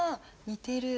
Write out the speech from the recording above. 似てる。